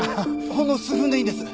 ほんの数分でいいんです。